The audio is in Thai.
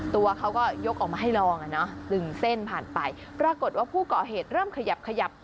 ตัวเขาก็ยกออกมาให้ลองอ่ะเนอะดึงเส้นผ่านไปปรากฏว่าผู้ก่อเหตุเริ่มขยับขยับ